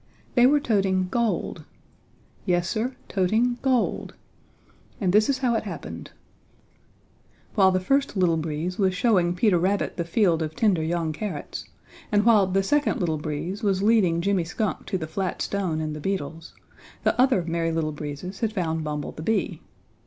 They were toting gold! Yes, Sir, toting gold! And this is how it happened: While the first Little Breeze was showing Peter Rabbit the field of tender young carrots, and while the second Little Breeze was leading Jimmy Skunk to the flat stone and the beetles, the other Merry Little Breezes had found Bumble the Bee.